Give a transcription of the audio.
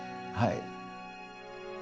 はい。